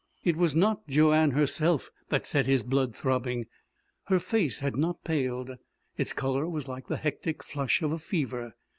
It was not Joanne herself that set his blood throbbing. Her face had not paled. Its colour was like the hectic flush of a fever.